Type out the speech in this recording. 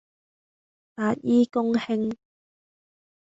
白衣公卿